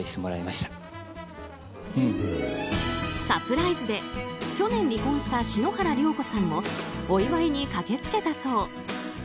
サプライズで去年離婚した篠原涼子さんもお祝いに駆けつけたそう。